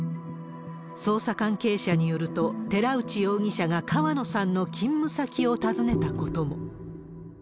捜査関係者によると、寺内容疑者が川野さんの勤務先を訪ねたことも。